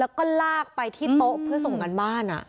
แล้วก็ลากไปที่โต๊ะเพื่อส่งการบ้าน